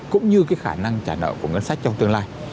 cũng như cái khả năng trả nợ của ngân sách trong tương lai